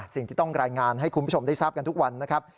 สิ่งที่ต้องรายงานให้คุณผู้ชมได้ทราบกันทุกวันนะครับ